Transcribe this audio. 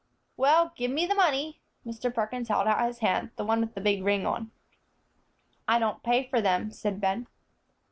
"Well, give me the money " Mr. Perkins held out his hand, the one with the big ring on. "I don't pay for them," said Ben.